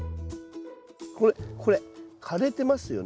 これこれ枯れてますよね？